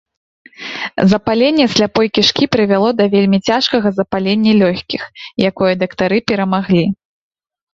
Запаленне сляпой кішкі прывяло да вельмі цяжкага запалення лёгкіх, якое дактары перамаглі.